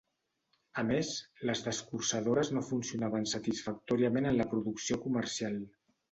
A més, les descorçadores no funcionaven satisfactòriament en el producció comercial.